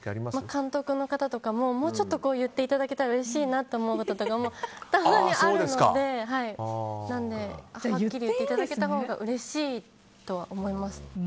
監督の方とかももうちょっと言っていただけたらうれしいなってこともたまにあるのではっきり言っていただけたほうがうれしいとは思います。